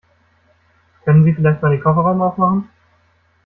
Können Sie vielleicht mal den Kofferraum aufmachen?